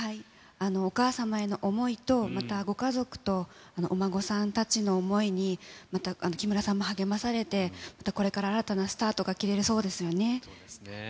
お母様への想いと、またご家族とお孫さんたちの想いに、また木村さんも励まされて、またこれから新たなスタートが切れそうですよね。